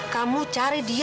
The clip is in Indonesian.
kamu cari dia